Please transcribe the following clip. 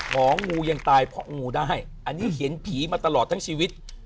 องูยังตายเพราะงูได้อันนี้เห็นผีมาตลอดทั้งชีวิต